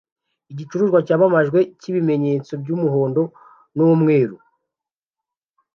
igicuruzwa cyamamajwe nibimenyetso byumuhondo numweru